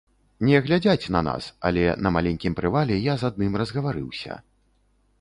Не глядзяць на нас, але на маленькім прывале я з адным разгаварыўся.